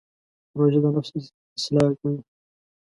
روژه د نفس اصلاح کوي.